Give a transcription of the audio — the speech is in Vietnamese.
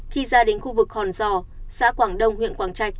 khi ra đến khu vực hòn giò xã quảng đông huyện quảng trạch